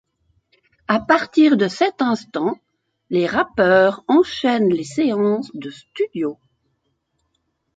À partir de cet instant, les rappeurs enchaînent les séances de studio.